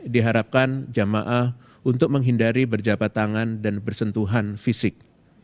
diharapkan jamaah untuk menghindari berjabat tangan dan bersentuhan fisik